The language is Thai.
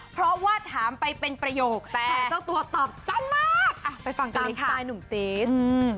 เพราะว่าถามไปเป็นประโยคแต่เจ้าตัวตอบสั้นมากไปฟังกันเลยค่ะตามสไตล์หนุ่มจี๊ส